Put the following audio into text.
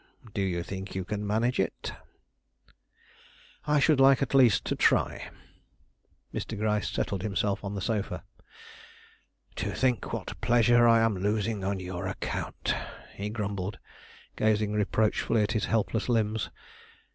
Do you think you can manage it?" "I should at least like to try." Mr. Gryce settled himself on the sofa. "To think what pleasure I am losing on your account!" he grumbled, gazing reproachfully at his helpless limbs.